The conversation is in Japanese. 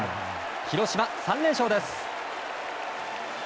広島、３連勝です。